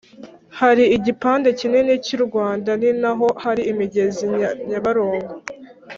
hari igipande kinini cy'u rwanda; ni na ho hari imigezi nyabarongo